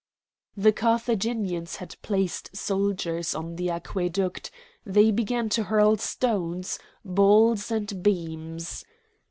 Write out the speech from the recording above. The Carthaginians had placed soldiers on the aqueduct, they began to hurl stones, balls, and beams.